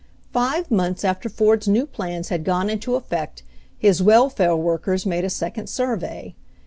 Five months after Ford's new plans had gone into effect his welfare workers made a second survey.